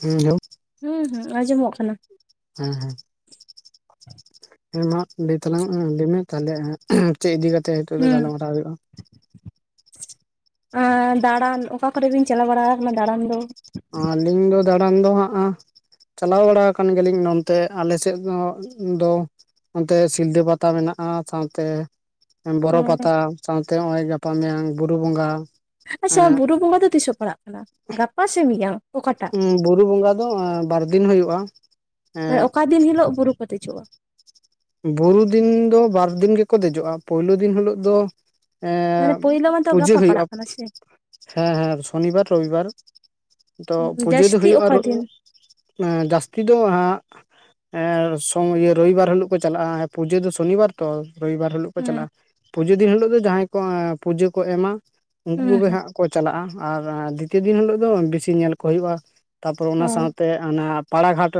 ᱦᱮᱸ [unintelligible] ᱦᱩᱸ ᱦᱩᱸ ᱟᱸᱡᱚᱢᱚᱜ ᱠᱟᱱᱟ ᱦᱮᱸ ᱦᱮᱸ ᱦᱮᱸ ᱢᱟ ᱞᱟᱹᱭ ᱛᱟᱞᱟᱝ ᱞᱟᱹᱭ ᱢᱮ ᱛᱟᱦᱚᱞᱮ ᱪᱮᱫ ᱤᱫᱤ ᱠᱟᱛᱮ ᱦᱤᱛᱚᱜ ᱫᱚ ᱜᱟᱞᱢᱟᱨᱟᱣ ᱦᱩᱭᱩᱜᱼᱟ ᱟ ᱫᱟᱬᱟᱱ ᱚᱠᱟ ᱠᱚᱨᱮ ᱵᱤᱱ ᱪᱟᱞᱟᱣ ᱵᱟᱲᱟ ᱟᱠᱟᱱᱟ ᱫᱟᱬᱟᱱ ᱫᱚ ᱟᱹᱞᱤᱧ ᱫᱚ ᱫᱟᱬᱟᱱ ᱫᱚ ᱦᱟᱸᱜᱼᱟ ᱪᱟᱞᱟᱣ ᱵᱟᱲᱟ ᱟᱠᱟᱱ ᱜᱮᱭᱟ ᱞᱤᱧ ᱱᱚᱱᱛᱮ ᱟᱞᱮ ᱥᱮᱫ ᱫᱚ ᱫᱚ ᱚᱱᱛᱮ ᱥᱤᱞᱫᱟᱹ ᱯᱟᱛᱟ ᱢᱮᱱᱟᱜᱼᱟ ᱥᱟᱶᱛᱮ ᱚ ᱵᱚᱨᱚ ᱯᱟᱛᱟ ᱥᱟᱶᱛᱮ ᱚᱸᱜᱼᱚᱭ ᱜᱟᱯᱟ ᱢᱮᱭᱟᱝ ᱵᱩᱨᱩ ᱵᱚᱸᱜᱟ ᱟᱪᱪᱷᱟ ᱵᱩᱨᱩ ᱵᱚᱸᱜᱟ ᱫᱚ ᱛᱤᱥᱚᱜ ᱯᱟᱲᱟᱜ ᱠᱟᱱᱟ ᱜᱟᱯᱟ ᱥᱮ ᱢᱤᱭᱟᱝ ᱵᱩᱨᱩ ᱵᱚᱸᱜᱟ ᱫᱚ ᱟ ᱵᱟᱨ ᱫᱤᱱ ᱦᱩᱭᱩᱜᱼᱟ ᱢᱟᱱᱮ ᱮᱸ ᱚᱠᱟ ᱫᱤᱱ ᱦᱤᱞᱳᱜ ᱵᱩᱨᱩ ᱠᱚ ᱫᱮᱡᱚᱜᱼᱟ ᱵᱩᱨᱩ ᱫᱤᱱ ᱫᱚ ᱵᱟᱨ ᱫᱤᱱ ᱜᱮ ᱠᱚ ᱫᱮᱡᱚᱜᱼᱟ ᱯᱳᱭᱞᱳ ᱫᱤᱱ ᱦᱤᱞᱳᱜ ᱫᱚ ᱢᱟᱱᱮ ᱮᱸ ᱯᱳᱭᱞᱳ ᱢᱟᱛᱚ ᱯᱩᱡᱟᱹ ᱜᱟᱯᱟ ᱦᱩᱭᱩᱜᱼᱟ ᱯᱟᱲᱟᱜ ᱠᱟᱱᱟ ᱥᱮ ᱦᱮᱸ ᱦᱮᱸ ᱥᱚᱱᱤ ᱵᱟᱨ ᱨᱚᱵᱤ ᱵᱟᱨ ᱛᱚ ᱯᱩᱡᱟᱹ ᱫᱚ ᱡᱟᱹᱥᱛᱤ ᱦᱩᱭᱩᱜᱼᱟ ᱚᱠᱟ ᱨᱚᱜ ᱫᱤᱱ? ᱮᱸ ᱡᱟᱥᱛᱤ ᱫᱚ ᱦᱟᱸᱜ ᱮᱸ ᱥᱚᱸ ᱤᱭᱟᱹ ᱨᱚᱵᱤᱵᱟᱨ ᱦᱤᱞᱳᱜ ᱠᱚ ᱪᱟᱞᱟᱜᱼᱟ ᱯᱩᱡᱟᱹ ᱫᱚ ᱥᱚᱱᱤᱵᱟᱨ ᱛᱚ ᱨᱚᱵᱤᱵᱟᱨ ᱦᱤᱞᱳᱜ ᱠᱚ ᱦᱩᱸ ᱪᱟᱞᱟᱜᱼᱟ ᱯᱩᱡᱟᱹ ᱫᱤᱱ ᱦᱤᱞᱳᱜ ᱫᱚ ᱡᱟᱦᱟᱸᱭ ᱠᱚ ᱟᱸ ᱯᱩᱡᱟᱹ ᱠᱚ ᱮᱢᱟ ᱩᱝᱠᱩ ᱦᱩᱸ ᱠᱚᱜᱮ ᱦᱩᱸ ᱦᱟᱸᱜ ᱠᱚ ᱪᱟᱞᱟᱜᱼᱟ ᱟᱨ ᱫᱤᱛᱤᱭᱚ ᱫᱤᱱ ᱦᱤᱞᱳᱜ ᱫᱚ ᱵᱤᱥᱤ ᱧᱮᱞ ᱠᱚ ᱦᱩᱭᱩᱜᱼᱟ ᱛᱟᱯᱚᱨᱮ ᱚ ᱚᱱᱟ ᱥᱟᱶᱛᱮ ᱚᱱᱟ ᱯᱟᱲᱟᱜᱷᱟᱴ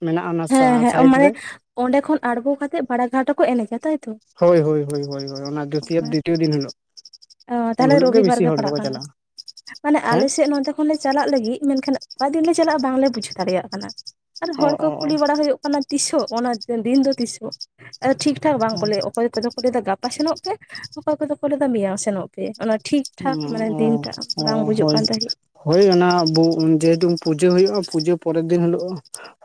ᱢᱮᱱᱟᱜᱼᱟ ᱚᱱᱟ ᱦᱮᱸ ᱦᱮᱸ ᱥᱟᱭᱤᱰ ᱢᱟᱱᱮ ᱨᱮ ᱚᱸᱰᱮ ᱠᱷᱚᱱ ᱟᱬᱜᱚ ᱠᱟᱛᱮᱜ ᱵᱟᱲᱟ ᱜᱷᱟᱴ ᱨᱮᱠᱚ ᱮᱱᱮᱡᱟ ᱛᱟᱭᱛᱚ ᱦᱳᱭ ᱦᱳᱭ ᱦᱳᱭ ᱦᱳᱭ ᱦᱳᱭ ᱚᱱᱟ ᱫᱤᱛᱤᱭᱚ ᱫᱤᱛᱤᱭᱚ ᱫᱤᱱ ᱦᱤᱞᱳᱜ ᱚ, ᱩᱱ ᱛᱟᱦᱞᱮ ᱦᱤᱞᱳᱜ ᱨᱚᱵᱤ ᱵᱟᱨ ᱵᱮᱥᱤ ᱜᱮ ᱦᱚᱲ ᱯᱟᱲᱟᱜ ᱫᱚᱠᱚ ᱠᱟᱱᱟ ᱪᱟᱞᱟᱜᱼᱟ ᱢᱟᱱᱮ ᱦᱮᱸ ᱟᱞᱮ ᱥᱮᱜ ᱱᱚᱛᱮ ᱠᱷᱚᱱ ᱠᱷᱚᱱ ᱞᱮ ᱪᱟᱞᱟᱜ ᱞᱟᱹᱜᱤᱜ ᱢᱮᱱᱠᱷᱟᱱ ᱚᱠᱟ ᱫᱤᱱ ᱞᱮ ᱪᱟᱞᱟᱜᱼᱟ ᱵᱟᱝᱞᱮ ᱵᱩᱡᱽ ᱫᱟᱲᱮᱭᱟᱜ ᱠᱟᱱᱟ, ᱟᱨ ᱚ ᱦᱚᱲ ᱚ ᱠᱚ ᱚ ᱠᱩᱞᱤ ᱵᱟᱲᱟ ᱦᱩᱭᱩᱜ ᱠᱟᱱᱟ ᱚᱱᱟ ᱛᱤᱥᱚᱜ ᱚᱱᱟ ᱫᱤᱱ ᱫᱚ ᱛᱤᱥᱚᱜ ᱟ. ᱴᱷᱤᱠ ᱴᱷᱟᱠ ᱵᱟᱝᱠᱚ ᱞᱟᱹᱭᱟ ᱚᱠᱚᱭ ᱠᱚᱫᱚ ᱠᱚ ᱞᱟᱹᱭᱫᱟ ᱜᱟᱯᱟ ᱥᱮᱱᱚᱜ ᱯᱮ ᱚᱠᱚᱭ ᱠᱚᱫᱚ ᱠᱚ ᱞᱟᱹᱭᱫᱟ ᱢᱮᱭᱟᱝ ᱥᱮᱱᱚᱜ ᱯᱮ ᱚᱱᱟ ᱴᱷᱤᱠ ᱴᱷᱟᱠ ᱢᱟᱱᱮ ᱫᱤᱱ ᱚ ᱴᱟᱜ ᱚ ᱵᱟᱝ ᱵᱩᱡᱩᱜ ᱦᱳᱭ ᱠᱟᱱ ᱛᱟᱦᱮᱸᱜ ᱦᱳᱭ ᱚᱱᱟ ᱵᱚ ᱡᱮᱦᱮᱛᱩ ᱯᱩᱡᱟᱹ ᱦᱩᱭᱩᱜᱼᱟ ᱯᱩᱡᱟᱹ ᱯᱚᱨᱮᱨ ᱫᱤᱱ ᱦᱤᱞᱳᱜ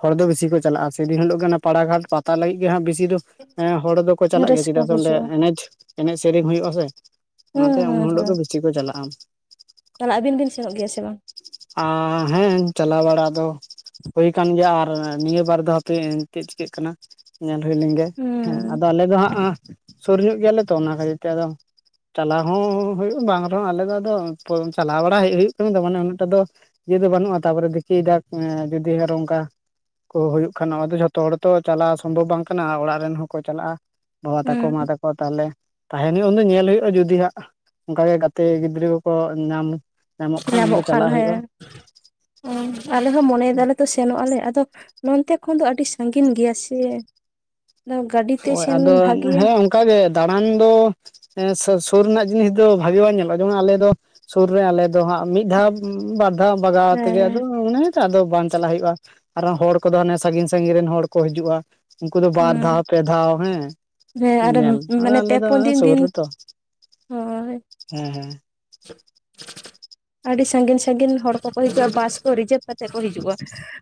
ᱦᱚᱲ ᱫᱚ ᱵᱤᱥᱤ ᱠᱚ ᱪᱟᱞᱟᱜᱼᱟ ᱥᱮᱫᱤᱱ ᱦᱤᱞᱳᱜ ᱠᱟᱱᱟ ᱯᱟᱲᱟᱜᱷᱟᱴ ᱯᱟᱛᱟ ᱞᱟᱹᱭᱤᱜ ᱦᱟᱸᱜ ᱵᱤᱥᱤ ᱫᱚ ᱮᱸ ᱦᱚᱲ ᱫᱚᱠᱚ ᱪᱟᱞᱟᱜ ᱜᱮᱭᱟ ᱨᱟᱹᱥᱠᱟᱹ ᱪᱮᱫᱟᱜ ᱥᱮ ᱚᱸᱰᱮ ᱵᱩᱡᱷᱟᱹᱜᱼᱟ ᱮᱱᱮᱡᱽ ᱮᱱᱮᱡ ᱥᱮᱨᱮᱧ ᱦᱩᱭᱩᱜᱼᱟ ᱥᱮ, ᱦᱩᱸ ᱚᱱᱟᱛᱮ ᱦᱩᱸ ᱩᱱᱦᱤᱞᱳᱜ ᱪᱤᱠᱚ ᱪᱟᱞᱟᱜ-ᱟᱢ ᱛᱟᱦᱞᱮ ᱟᱹᱵᱤᱱ ᱵᱤᱱ ᱥᱮᱱᱚᱜ ᱜᱮᱭᱟ ᱥᱮ ᱵᱟᱝ ᱟᱻ ᱦᱮᱸ ᱪᱟᱞᱟᱣ ᱵᱟᱲᱟ ᱫᱚ ᱦᱩᱭ ᱠᱟᱱ ᱜᱮᱭᱟ ᱟᱨ ᱱᱤᱭᱟᱹ ᱵᱟᱨ ᱫᱚ ᱦᱟᱯᱮ ᱪᱮᱜ ᱪᱤᱠᱟᱹᱜ ᱠᱟᱱᱟ ᱧᱮᱞ ᱦᱩᱭ ᱞᱮᱝᱜᱮ ᱦᱮᱸ ᱦᱩᱸ ᱟᱫᱚ ᱟᱞᱮ ᱫᱚ ᱦᱟᱸᱜ ᱟᱸ ᱥᱳᱨ ᱧᱚᱜ ᱜᱮᱭᱟᱞᱮ ᱛᱚ ᱚᱱᱟ ᱠᱷᱟᱹᱛᱤᱨ ᱛᱮ ᱟᱫᱚ ᱪᱟᱞᱟᱣ ᱦᱚᱸ ᱦᱩᱭᱩᱜ ᱵᱟᱝ ᱨᱮᱦᱚᱸ ᱟᱞᱮᱚ ᱟᱫᱚ ᱪᱟᱞᱟᱣ ᱵᱟᱲᱟ ᱦᱮᱡ ᱦᱩᱭᱩᱜ ᱠᱟᱱᱟ ᱛᱚ ᱢᱟᱱᱮ ᱩᱱᱟᱹ ᱴᱟ ᱫᱚ ᱤᱭᱟᱹ ᱫᱚ ᱵᱟᱹᱱᱩᱜᱼᱟ ᱛᱟᱯᱚᱨᱮ ᱫᱮᱤᱠᱤᱭ ᱫᱟᱜᱽ ᱡᱩᱫᱤ ᱟᱨᱚ ᱚᱝᱠᱟ ᱠᱚ ᱦᱩᱭᱩᱜ ᱠᱷᱟᱱ ᱱᱚᱣᱟ ᱫᱚ ᱡᱷᱚᱛᱚ ᱦᱚᱲ ᱛᱚ ᱪᱟᱞᱟᱣ ᱥᱚᱢᱵᱷᱚᱵᱽ ᱵᱟᱝ ᱠᱟᱱᱟ ᱚᱲᱟᱜ ᱨᱮᱱ ᱦᱚᱸᱠᱚ ᱪᱟᱞᱟᱜᱼᱟ ᱵᱟᱵᱟ ᱛᱟᱠᱚ ᱢᱟ ᱦᱩᱸ ᱛᱟᱠᱚ ᱛᱟᱦᱚᱞᱮ ᱛᱟᱸᱦᱮᱱ ᱩᱱ ᱫᱚ ᱧᱮᱞ ᱦᱩᱭᱩᱜᱼᱟ ᱡᱩᱫᱤ ᱦᱟᱸᱜ ᱚᱝᱠᱟ ᱜᱮ ᱜᱟᱛᱮ ᱜᱤᱫᱽᱨᱟᱹ ᱠᱚᱠᱚ ᱧᱟᱢ, ᱧᱟᱢᱚᱜ ᱠᱷᱟᱱ ᱩᱱᱫᱚ ᱛᱟᱞᱦᱮ ᱪᱟᱞᱟᱜ ᱦᱩᱭᱩᱜᱼᱟ ᱦᱮᱸ, ᱟᱞᱮ ᱦᱚᱸ ᱢᱚᱱᱮᱭ ᱫᱟᱞᱮ ᱛᱚ ᱥᱮᱱᱚᱜ-ᱟ ᱞᱮ, ᱟᱫᱚ ᱱᱚᱱᱛᱮ ᱠᱷᱚᱱ ᱫᱚ ᱟᱹᱰᱤ ᱥᱟᱺᱜᱤᱱ ᱜᱮᱭᱟ ᱥᱮ ᱟᱫᱚ ᱜᱟᱹᱰᱤᱛᱮ ᱥᱮᱱ ᱵᱷᱟᱜᱮᱭᱟ ᱚᱝᱠᱟᱜ ᱜᱮ ᱫᱟᱬᱟᱱ ᱫᱚ ᱦᱮᱸ, ᱥᱩᱨ ᱨᱮᱱᱟᱜ ᱡᱤᱱᱤᱥ ᱫᱚ ᱵᱷᱟᱜᱮ ᱵᱟᱝ ᱧᱮᱞᱚᱜᱼᱟ ᱡᱮᱢᱚᱱ ᱟᱞᱮ ᱫᱚ ᱥᱩᱨ ᱨᱮ ᱟᱞᱮ ᱫᱚ ᱦᱟᱸᱜ ᱢᱤᱫ ᱫᱷᱟᱣ ᱵᱟᱨ ᱫᱷᱟᱣ ᱵᱟᱜᱟᱣ ᱦᱮᱸ ᱛᱮᱜᱮ ᱟᱫᱚ ᱚᱱᱮ ᱟᱫᱚ ᱵᱟᱝ ᱪᱟᱞᱟᱜ ᱦᱩᱭᱩᱜᱼᱟ ᱟᱨᱚ ᱦᱚᱲ ᱠᱚᱫᱚ ᱦᱟᱱᱮ ᱥᱟᱺᱜᱤᱧ ᱥᱟᱺᱜᱤᱧ ᱨᱮᱱ ᱦᱚᱲ ᱠᱚ ᱦᱤᱡᱩᱜᱼᱟ ᱩᱝᱠᱩ ᱫᱚ ᱵᱟᱨ ᱫᱷᱟᱣ ᱦᱩᱸ ᱯᱮ ᱫᱷᱟᱣ ᱦᱮᱸ ᱦᱮᱸ ᱟᱨ ᱧᱮᱞ ᱟᱫᱚ ᱢᱟᱱᱮ ᱟᱞᱮ ᱯᱮ ᱫᱚ‌ ᱯᱩᱱ ᱚᱱᱮ ᱫᱤᱱ ᱥᱩᱨ ᱫᱤᱱ ᱨᱮᱛᱚ ᱦᱳᱭ ᱦᱮᱸ ᱦᱮᱸ [unintelligible] ᱟᱹᱰᱤ ᱥᱟᱺᱜᱤᱧ ᱥᱟᱺᱜᱤᱧ ᱦᱚᱲ ᱠᱚᱠᱚ ᱦᱤᱡᱩᱜᱼᱟ ᱵᱟᱥ ᱠᱚ ᱨᱤᱡᱟᱹᱵᱷ ᱠᱟᱛᱮ ᱠᱚ ᱦᱤᱡᱩᱜᱼᱟ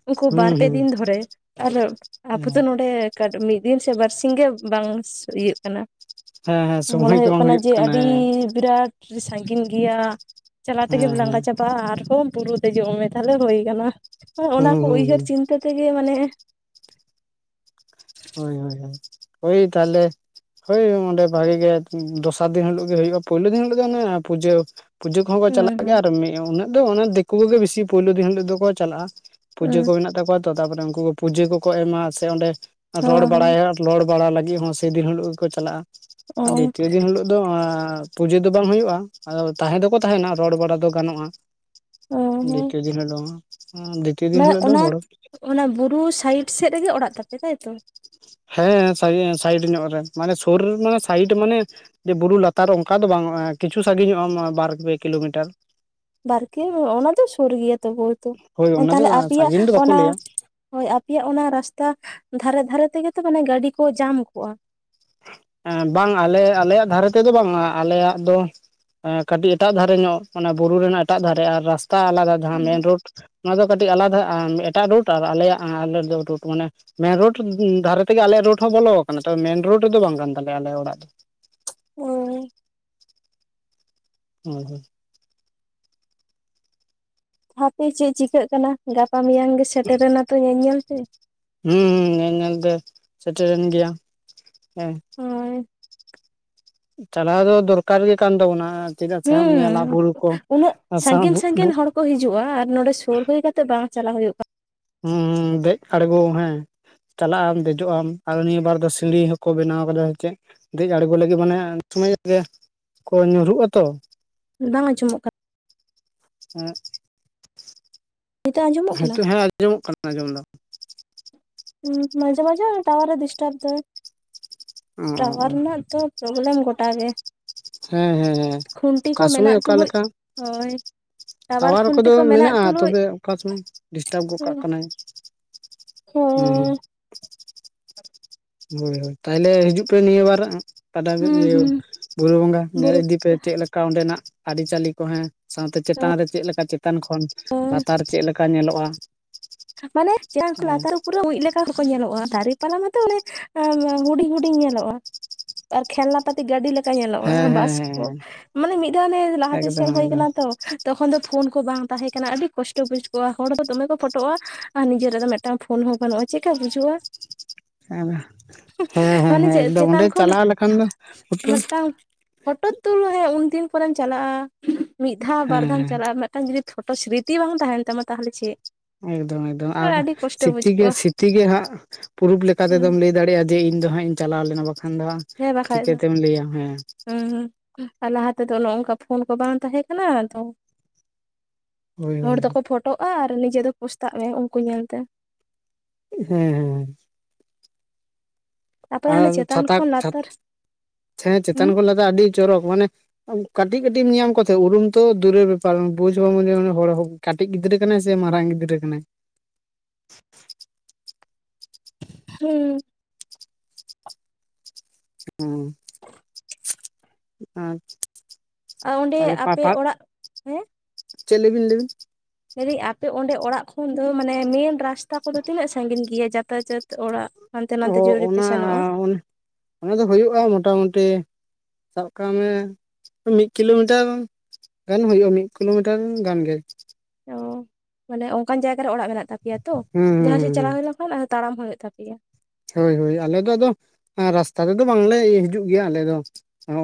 ᱩᱝᱠᱩ ᱵᱟᱨ ᱦᱩᱸ ᱯᱮ ᱫᱤᱱ ᱦᱩᱸ ᱫᱷᱚᱨᱮ ᱛᱟᱦᱞᱮ‌ ᱟᱵᱚ ᱫᱚ ᱱᱚᱰᱮ ᱠᱟᱴ ᱢᱤᱫ ᱫᱤᱱ ᱥᱮ ᱵᱟᱨᱥᱤᱝ ᱜᱮ ᱵᱟᱝ ᱤᱭᱟᱹᱜ ᱠᱟᱱᱟ ᱦᱮᱸ ᱦᱮᱸ ᱦᱮᱸ ᱢᱚᱱᱮ ᱥᱚᱢᱚᱭ ᱜᱮ ᱦᱩᱭᱩᱜ ᱵᱟᱝ ᱠᱟᱱᱟ ᱡᱮ ᱟᱹᱰᱤ ᱦᱮᱸ ᱵᱤᱨᱟᱴ ᱥᱟᱺᱜᱤᱧ ᱜᱮᱭᱟ ᱪᱟᱞᱟᱣ ᱦᱮᱸ ᱦᱮᱸ ᱛᱮᱜᱮᱢ ᱦᱮᱸ ᱞᱟᱸᱜᱟ ᱪᱟᱵ ᱜᱟ ᱟᱨᱦᱚᱸ ᱵᱩᱨᱩ ᱫᱮᱡᱚᱜ ᱢᱮ ᱛᱟᱦᱞᱮ ᱦᱩᱭ ᱟᱠᱟᱱᱟ, ᱚᱱᱟ ᱦᱩᱸ ᱠᱚ ᱦᱩᱸ ᱩᱭᱦᱟᱹᱨ ᱦᱩᱸ ᱪᱤᱱᱛᱟᱹ ᱛᱮᱜᱮ ᱢᱟᱱᱮ ᱦᱳᱭ ᱦᱳᱭ ᱦᱳᱭ, ᱦᱳᱭ ᱛᱟᱦᱞᱮ ᱦᱳᱭ ᱚᱸᱰᱮ ᱵᱷᱟᱜᱤ ᱜᱮ ᱫᱚᱥᱟᱨ ᱫᱤᱱ ᱦᱤᱞᱳᱜ ᱜᱮ ᱦᱩᱭᱩᱜᱼᱟ ᱯᱳᱭᱞᱳ ᱫᱤᱱ ᱦᱤᱞᱳ ᱫᱚ ᱚᱱᱮ ᱯᱩᱡᱟᱹ ᱯᱩᱡᱟᱹ ᱠᱚᱦᱚᱸ ᱠᱚ ᱦᱩᱸ ᱪᱟᱞᱟᱜ ᱦᱩᱸ ᱜᱮᱭᱟ ᱟᱨ ᱢᱤᱫ ᱩᱱᱟᱹᱜ ᱫᱚ ᱫᱤᱠᱩ ᱠᱚᱜᱮ ᱵᱮᱥᱤ ᱯᱳᱭᱞᱳ ᱫᱤᱱ ᱦᱤᱞᱳ ᱫᱚᱠᱚ ᱪᱟᱞᱟᱜᱼᱟ ᱯᱩᱡᱟᱹ ᱦᱩᱸ ᱠᱚ ᱢᱮᱱᱟᱜ ᱛᱟᱠᱚᱣᱟ ᱛᱚ ᱛᱟᱯᱚᱨᱮ ᱩᱝᱠᱩ ᱯᱩᱡᱟᱹ ᱠᱚᱠᱚ ᱮᱢᱟ ᱥᱮ ᱚᱸᱰᱮ ᱨᱚᱲ ᱦᱚᱸ ᱦᱚᱸ ᱵᱟᱲᱟᱭ ᱨᱚᱲ ᱵᱟᱲᱟ ᱞᱟᱹᱜᱤᱫ ᱦᱚᱸ ᱥᱮᱫᱤᱱ ᱦᱤᱞᱳ ᱜᱮᱠᱚ ᱪᱟᱞᱟᱜᱼᱟ ᱟᱨ ᱫᱤᱛᱤᱭᱚ ᱫᱤᱱ ᱦᱤᱞᱳᱜ ᱫᱚ ᱯᱩᱡᱟᱹ ᱫᱚ ᱵᱟᱝ ᱦᱩᱭᱩᱜᱼᱟ ᱟᱫᱚ ᱛᱟᱦᱮᱸ ᱫᱚᱠᱚ ᱛᱟᱦᱮᱱᱟ ᱨᱚᱲ ᱵᱟᱲᱟ ᱫᱚ ᱜᱟᱱᱚᱜᱼᱟ ᱚ ᱚ ᱫᱤᱛᱤᱭᱚ ᱫᱤᱱ ᱦᱤᱞᱚᱜ ᱫᱚ [unintelligible] ᱢᱮ ᱚᱱᱟ, ᱦᱚᱲ ᱚᱱᱟ ᱵᱩᱨᱩ ᱥᱟᱭᱤᱰ ᱥᱮᱫ ᱨᱮᱜᱮ ᱚᱲᱟᱜ ᱛᱟᱯᱮ ᱛᱟᱭᱛᱚ ᱦᱮᱸ ᱥᱟᱭᱤᱰ ᱧᱚᱜ ᱨᱮ ᱢᱟᱱᱮ ᱥᱩᱨ ᱢᱟᱱᱮ ᱥᱟᱭᱤᱰ ᱢᱟᱱᱮ ᱡᱮ ᱵᱩᱨᱩ ᱞᱟᱛᱟᱨ ᱚᱱᱠᱟ ᱫᱚ ᱵᱟᱝᱼᱟ ᱠᱤᱪᱷᱩ ᱥᱟᱺᱜᱤᱧᱚᱜᱼᱟ ᱵᱟᱨ ᱯᱮ ᱠᱤᱞᱳᱢᱤᱴᱟᱨ ᱵᱟᱨᱠᱮ ᱚᱱᱟ ᱫᱚ ᱥᱩᱨ ᱜᱮᱭᱟ ᱛᱚᱵᱳᱣᱛᱚ ᱦᱳᱭ ᱚᱱᱟ ᱫᱚ ᱛᱟᱦᱞᱮ ᱟᱯᱮᱭᱟᱜ ᱥᱟᱺᱜᱤᱧ ᱫᱚ ᱵᱟᱠᱚ ᱚᱱᱟ ᱞᱟᱹᱭᱟ ᱦᱳᱭ ᱟᱯᱮᱭᱟᱜ ᱚᱱᱟ ᱨᱟᱥᱛᱟ ᱫᱷᱟᱨᱮ ᱫᱷᱟᱨᱮ ᱛᱮᱜᱮ ᱛᱚ ᱢᱟᱱᱮ ᱜᱟᱹᱰᱤ ᱠᱚ ᱡᱟᱢ ᱠᱚᱜᱼᱟ ᱵᱟᱝ ᱟᱞᱮ ᱟᱞᱮᱭᱟᱜ ᱫᱷᱟᱨᱮ ᱛᱮᱫᱚ ᱵᱟᱝᱟ ᱟᱞᱮᱭᱟᱜ ᱫᱚ ᱠᱟᱹᱴᱤᱡ ᱮᱴᱟᱜ ᱫᱷᱟᱨᱮ ᱧᱚᱜ ᱢᱟᱱᱮ ᱵᱩᱨᱩ ᱨᱮᱱᱟᱜ ᱮᱴᱟᱜ ᱫᱷᱟᱨᱮ ᱟᱨ ᱨᱟᱥᱛᱟ ᱟᱞᱟᱫᱟ ᱡᱟᱦᱟᱸ ᱢᱮᱱ ᱨᱳᱰ ᱚᱱᱟ ᱫᱚ ᱠᱟᱹᱴᱤᱡ ᱟᱞᱟᱫᱟ ᱮᱴᱟᱜ ᱨᱳᱴ ᱟᱨ ᱟᱞᱮᱭᱟᱜ ᱟᱞᱮ ᱫᱚ ᱨᱩᱴ ᱢᱟᱱᱮ ᱢᱮᱱ ᱨᱳᱰ ᱫᱷᱟᱨᱮ ᱛᱮᱜᱮ ᱟᱞᱮᱭᱟᱜ ᱨᱳᱰ ᱦᱚᱸ ᱵᱚᱞᱚ ᱠᱟᱱᱟ ᱛᱚ ᱢᱮᱱ ᱨᱳᱰ ᱨᱮᱫᱚ ᱵᱟᱝ ᱠᱟᱱ ᱛᱟᱞᱮᱭᱟ ᱟᱞᱮ ᱚᱲᱟᱜ ᱫᱚ ᱦᱳᱭ [inaudible] ᱦᱟᱯᱮ ᱪᱮᱫ ᱪᱤᱠᱟᱹᱜ ᱠᱟᱱᱟ ᱜᱟᱯᱟ ᱢᱮᱭᱟᱝ ᱜᱮ ᱥᱮᱴᱮᱨᱮᱱᱟ ᱛᱚ ᱧᱮᱞᱧᱮᱞ ᱛᱮ ᱦᱩᱸ ᱧᱮᱞ ᱧᱮᱞ ᱛᱮ ᱥᱮᱴᱮᱨᱮᱱ ᱜᱮᱭᱟ ᱦᱮᱸ ᱦᱳᱭ ᱪᱟᱞᱟᱣ ᱫᱚ ᱫᱚᱨᱠᱟᱨ ᱜᱮ ᱠᱟᱱ ᱛᱟᱵᱚᱱᱟ ᱪᱮᱫᱟᱜ ᱥᱮ ᱧᱮᱞᱟ ᱦᱩᱸ ᱵᱩᱨᱩ ᱠᱚ ᱩᱱᱟᱹᱜ ᱟᱨ ᱥᱟᱶ ᱥᱟᱺᱜᱤᱧ ᱵᱩᱜ ᱥᱟᱺᱜᱤᱧ ᱵᱩᱜ ᱦᱚᱲ ᱦᱤᱡᱩᱜᱼᱟ ᱟᱨ ᱱᱚᱰᱮ ᱥᱩᱨ ᱦᱩᱭ ᱠᱟᱛᱮ ᱵᱟᱝ ᱪᱟᱞᱟᱣ ᱦᱩᱭᱩᱜ ᱠᱟᱱᱟ ᱦᱩᱸ ᱫᱮᱡ ᱟᱬᱜᱚ ᱦᱮᱸ ᱪᱟᱞᱟᱜ ᱟᱢ ᱫᱮᱡᱚᱜ ᱟᱢ ᱟᱨ ᱱᱤᱭᱟᱹ ᱵᱟᱨ ᱫᱚ ᱥᱤᱲᱤ ᱦᱚᱸᱠᱚ ᱵᱮᱱᱟᱣ ᱠᱟᱫᱟ ᱥᱮ ᱪᱮᱫ ᱫᱮᱡ ᱟᱬᱜᱚ ᱞᱟᱹᱜᱤᱫ ᱢᱟᱱᱮ ᱩᱱ ᱥᱚᱢᱚᱭ ᱜᱮ ᱠᱚ ᱧᱩᱨᱦᱩᱜ ᱟᱛᱚ ᱵᱟᱝ ᱟᱸᱡᱚᱢᱚᱜ ᱠᱟᱱᱟ ᱦᱮᱸ ᱱᱤᱛᱚᱜ ᱟᱸᱡᱚᱢᱚᱜ ᱠᱟᱱᱟ ᱦᱮᱛᱳᱜ ᱦᱮᱸ ᱟᱸᱡᱚᱢᱚᱜ ᱠᱟᱱᱟ ᱟᱸᱡᱚᱢ ᱫᱚ ᱦᱩᱸ ᱢᱟᱡᱮ ᱢᱟᱡᱮ ᱴᱟᱣᱟᱨ ᱮ ᱰᱤᱥᱴᱟᱨᱵ ᱫᱟᱭ ᱚ ᱴᱟᱣᱟᱨ ᱨᱮᱱᱟᱜ ᱫᱚ ᱯᱨᱳᱚᱵᱞᱮᱢ ᱜᱚᱴᱟ ᱜᱮ ᱦᱮᱸ ᱦᱮᱸ ᱦᱮᱸ ᱠᱷᱩᱱᱴᱤ ᱚᱠᱟ ᱠᱚ ᱥᱚᱢᱚᱭ ᱢᱮᱱᱟᱜ ᱚᱠᱟ ᱛᱩᱞᱩᱡ ᱞᱮᱠᱟ ᱦᱳᱭ ᱴᱟᱣᱟᱨ ᱠᱷᱩᱱᱴᱤ ᱠᱚᱫᱚ ᱠᱚ ᱢᱮᱱᱟᱜ ᱢᱮᱱᱟᱜᱼᱟ ᱛᱩᱞᱩᱡ ᱛᱚᱵᱮ ᱚᱠᱟ ᱥᱚᱢᱚᱭ ᱰᱤᱥᱴᱟᱵᱽ ᱜᱚᱫ ᱠᱟᱜ ᱦᱚᱸ ᱠᱟᱱᱟᱭ ᱦᱩᱸ ᱦᱩᱸ ᱦᱳᱭ ᱦᱳᱭ ᱛᱟᱦᱚᱞᱮ ᱦᱤᱡᱩᱜ ᱯᱮ ᱱᱤᱭᱟᱹ ᱵᱟᱨ ᱦᱩᱸ ᱦᱩᱸ [unintelligible] ᱵᱩᱨᱩ ᱵᱚᱸᱜᱟ ᱧᱮᱞ ᱵᱩᱨᱩ ᱤᱫᱤ ᱯᱮ ᱪᱮᱫ ᱞᱮᱠᱟ ᱚᱸᱰᱮᱱᱟᱜ ᱟᱹᱨᱤᱪᱟᱞᱤ ᱠᱚ ᱦᱮᱸ ᱥᱟᱶᱛᱮ ᱪᱮᱛᱟᱱ ᱨᱮ ᱪᱮᱫ ᱞᱮᱠᱟ ᱪᱮᱛᱟᱱ ᱠᱷᱚᱱ ᱞᱟᱛᱟᱨ ᱪᱮᱫ ᱞᱮᱠᱟ ᱧᱮᱞᱚᱜᱼᱟ ᱢᱟᱱᱮ ᱡᱮ ᱠᱷᱩᱞ ᱦᱮᱸ ᱞᱟᱛᱟ [inaudible] ᱯᱩᱨᱟᱹ ᱢᱩᱡ ᱞᱮᱠᱟ ᱦᱚᱸᱠᱚ ᱧᱮᱞᱚᱜᱼᱟ ᱫᱟᱨᱮ ᱯᱟᱞᱟ ᱢᱟᱛᱚ ᱚᱱᱮ ᱦᱩᱰᱤᱧ ᱦᱩᱰᱤᱧ ᱧᱮᱞᱚᱜᱼᱟ ᱟᱨ ᱠᱷᱮᱞᱱᱟ ᱯᱟᱛᱤ ᱜᱟᱹᱰᱤ ᱞᱮ ᱠᱟ ᱧᱮᱞᱚᱜᱼᱟ ᱦᱮᱸ ᱦᱮᱸ ᱵᱟᱥ ᱠᱚ ᱢᱟᱱᱮ ᱢᱤᱫ ᱫᱷᱟᱣᱮ ᱚᱱᱮ ᱞᱟᱦᱟᱛᱮ ᱮᱠᱫᱚᱢ ᱥᱮᱱ ᱦᱩᱭ ᱮᱠᱫᱚᱢ ᱠᱟᱱᱟ ᱛᱚ ᱛᱚᱠᱷᱚᱱ ᱫᱚ ᱯᱷᱳᱱ ᱠᱚ ᱵᱟᱝ ᱛᱟᱦᱮᱸ ᱠᱟᱱᱟ ᱟᱹᱰᱤ ᱠᱚᱥᱴᱚ ᱵᱩᱡ ᱠᱚᱜᱣᱟ ᱦᱚᱲ ᱫᱚ ᱫᱚᱢᱮ ᱠᱚ ᱯᱷᱳᱴ ᱴᱚᱜ-ᱟ ᱟᱨ ᱱᱤᱡᱮ ᱨᱟᱜ ᱫᱚ ᱢᱤᱫᱴᱟᱝ ᱯᱷᱳᱱ ᱦᱚᱸ ᱵᱟᱹᱱᱩᱜᱼᱟ ᱪᱮᱜᱠᱟ ᱵᱩᱡᱩᱜᱼᱟ᱾ ᱦᱮᱸ ᱦᱮᱸ ᱢᱟᱱᱮ ᱦᱮᱸ ᱪᱮᱫ ᱮᱠᱫᱚᱢ ᱚᱸᱰᱮ ᱪᱮᱛᱟᱱ ᱠᱷᱚᱱ ᱪᱟᱞᱟᱣ ᱞᱮᱠᱷᱟᱱ ᱫᱚ ᱦᱮᱸ ᱢᱤᱫᱴᱟᱝ ᱯᱷᱴᱳ ᱛᱩᱞ ᱦᱮᱸ ᱩᱱᱫᱤᱱ ᱯᱚᱨᱮᱢ ᱪᱟᱞᱟᱜᱼᱟ ᱢᱤᱫ ᱫᱷᱟᱣ ᱵᱟᱨ ᱫᱷᱟᱣᱮᱢ ᱪᱟᱞᱟᱜᱼᱟ᱾ ᱟᱨ ᱡᱩᱫᱤ ᱯᱷᱴᱳ ᱥᱨᱤᱛᱤ ᱵᱟᱝ ᱛᱟᱦᱮᱱ ᱛᱟᱢᱟ ᱛᱟᱦᱚᱞᱮ ᱪᱮᱫ᱾ ᱮᱠᱫᱚᱢ ᱮᱠᱫᱚᱢ ᱟᱨ ᱟᱹᱰᱤ ᱠᱚᱥᱴᱚ ᱵᱩᱡᱽ ᱥᱤᱛᱤ ᱜᱮ ᱠᱚᱜᱼᱟ ᱥᱤᱛᱤ ᱦᱟᱸᱜ ᱯᱩᱨᱩᱵ ᱞᱮᱠᱟ ᱞᱮᱠᱟ ᱦᱩᱸ ᱛᱮᱫᱚᱢ ᱞᱟᱹᱭ ᱫᱟᱲᱮᱭᱟᱜᱼᱟ᱾ ᱡᱮ ᱤᱧᱫᱚ ᱦᱟᱸᱜ ᱤᱧ ᱪᱟᱞᱟᱣ ᱞᱮᱱᱟ ᱵᱟᱠᱷᱟᱱ ᱫᱚ ᱦᱟᱸᱜ ᱦᱮᱸ ᱵᱟᱠᱷᱟᱡ ᱫᱚ ᱪᱤᱠᱟᱹᱛᱮᱢ ᱞᱟᱹᱭᱟ ᱦᱮᱸ ᱦᱩᱸ ᱟᱨ ᱞᱟᱦᱟ ᱛᱮᱫᱚ ᱚᱱᱚᱱᱠᱟ ᱯᱷᱳᱱ ᱠᱚ ᱵᱟᱝ ᱛᱟᱦᱮᱸ ᱠᱟᱱᱟ ᱛᱚ ᱦᱳᱭ ᱦᱳᱭ ᱦᱚᱲ ᱫᱚᱠᱚ ᱯᱷᱳᱴᱳᱜᱼᱟ ᱟᱨ ᱱᱤᱡᱮ ᱫᱚ ᱯᱚᱥᱛᱟᱜ ᱢᱮ ᱩᱱᱠᱩ ᱧᱮᱞᱛᱮ᱾ ᱦᱮᱸ ᱦᱮᱸ ᱛᱟᱯᱚᱨᱮ ᱦᱟᱱᱮ ᱟᱨ ᱪᱮᱛᱟᱱ ᱪᱷᱟᱛᱟ ᱠᱷᱚᱱ ᱞᱟᱛᱟᱨ ᱥᱮ ᱪᱮᱛᱟᱱ ᱦᱩᱸ ᱠᱚᱞᱮ ᱫᱚ ᱟᱹᱰᱤ ᱪᱚᱨᱚᱠ ᱢᱟᱱᱮ ᱠᱟᱹᱴᱤᱡ ᱠᱟᱹᱴᱤᱡ ᱧᱮᱧᱟᱢ ᱠᱚᱛᱮ ᱩᱨᱩᱢ ᱛᱚ ᱫᱩᱨᱮᱨ ᱵᱮᱯᱟᱨ ᱵᱩᱡ ᱦᱚ ᱵᱟᱢ ᱚᱱᱮ ᱦᱚᱲ ᱦᱚᱸ ᱠᱟᱹᱴᱤᱡ ᱜᱤᱫᱽᱨᱟᱹ ᱠᱟᱱᱟᱭ ᱥᱮ ᱢᱟᱨᱟᱝ ᱜᱤᱫᱽᱨᱟᱹ ᱠᱟᱱᱟᱭ᱾ ᱦᱩᱸ ᱦᱮᱸ ᱟᱪ ᱟᱨ ᱚᱸᱰᱮ ᱛᱟᱦᱚᱞᱮ ᱟᱯᱮ ᱯᱟᱴᱟᱴ ᱚᱲᱟᱜ ᱪᱮᱫ ᱞᱟᱹᱭᱵᱤᱱ ᱞᱟᱹᱭ ᱵᱤᱱ? ᱢᱮᱱᱫᱟᱹᱧ ᱟᱯᱮ ᱚᱸᱰᱮ ᱚᱲᱟᱜ ᱠᱷᱚᱱ ᱫᱚ ᱢᱟᱱᱮ ᱢᱮᱱ ᱨᱟᱥᱛᱟ ᱠᱚᱫᱚ ᱛᱤᱱᱟᱹᱜ ᱥᱟᱺᱜᱤᱧ ᱜᱮᱭᱟ ᱡᱟᱛᱟᱭᱟᱛ ᱚᱲᱟᱜ ᱦᱟᱱᱛᱮ ᱚ ᱱᱟᱛᱮ ᱡᱟᱹᱨᱣᱲᱤ ᱯᱮ ᱚᱱᱟ ᱥᱮᱱᱚᱜᱼᱟ᱾ ᱚᱱᱟ ᱫᱚ ᱦᱩᱭᱩᱜᱼᱟ ᱢᱚᱴᱟᱢᱩᱴᱤ ᱥᱟᱵ ᱠᱟᱜ ᱢᱮ ᱢᱤᱫ ᱠᱤᱞᱳᱢᱤᱴᱟᱨ᱾ ᱜᱟᱱ ᱦᱩᱭᱩᱜᱼᱟ ᱢᱤᱫ ᱠᱤᱞᱳᱢᱤᱴᱟᱨ ᱜᱟᱱ ᱜᱮ᱾ ᱚ ᱢᱟᱱᱮ ᱚᱱᱠᱟᱱ ᱡᱟᱭᱜᱟ ᱨᱮ ᱚᱲᱟᱜ ᱢᱮᱱᱟᱜ ᱛᱟᱯᱮᱭᱟ ᱛᱚ ᱦᱩᱸ ᱡᱟᱦᱟᱸ ᱥᱮᱫ ᱪᱟᱞᱟᱣ ᱦᱩᱸ ᱦᱩᱭᱱᱟ ᱛᱟᱲᱟᱢ ᱦᱩᱭᱩᱜ ᱛᱟᱯᱮᱭᱟ᱾ ᱦᱳᱭ ᱦᱳᱭ ᱟᱞᱮ ᱫᱚ ᱟᱫᱚ ᱨᱟᱥᱛᱟ ᱛᱮᱫᱚ ᱵᱟᱝᱞᱮ ᱦᱤᱡᱩᱜ ᱜᱮᱭᱟ ᱟᱞᱮ ᱫᱚ᱾